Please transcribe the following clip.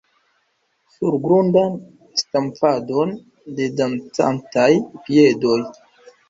Surgrundan stamfadon de dancantaj piedoj.